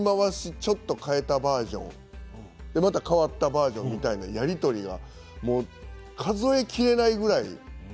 ちょっと変えたバージョンまた変わったバージョンみたいなやり取りが数えきれないくらい。